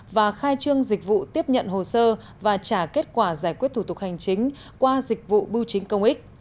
và khai trương dịch vụ tiếp nhận hồ sơ và trả kết quả giải quyết thủ tục hành chính qua dịch vụ bưu chính công ích